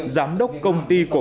giám đốc công ty cổ phần phú bài